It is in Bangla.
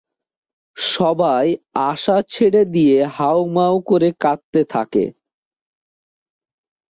সবাই আশা ছেড়ে দিয়ে হাউমাউ করে কাঁদতে থাকে।